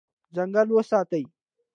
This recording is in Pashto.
ځنګل وساتئ.